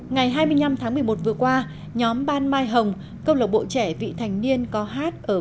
ngày hai mươi năm tháng một mươi một vừa qua nhóm ban mai hồng công lộc bộ trẻ vị thành niên có hát ở quận đông hội đông anh